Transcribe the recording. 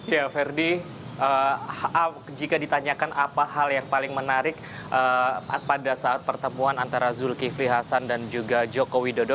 ya ferdi jika ditanyakan apa hal yang paling menarik pada saat pertemuan antara zulkifli hasan dan juga joko widodo